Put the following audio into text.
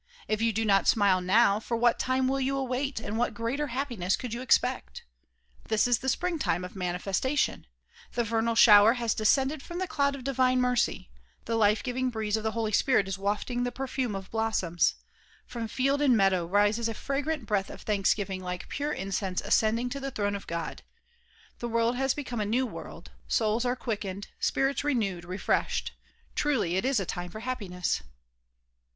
If you do not smile now, for what time ivill you await and what greater happiness coidd you expect? This is the springtime of manifesta tion. The vernal shower has descended from the cloud of divine mercy; the life giving hreeze of the Holy Spirit is wafting the perfume of blossoms. From field and meadow rises a fragrant breath of thanksgiving like pure incense ascending to the throne of God. The world has becoyne a new world; souls are quickened, spirits renewed, refreshed. Truly it is a time for happiness.